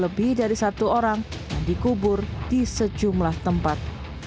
lebih dari satu orang yang dikubur di sejumlah tempat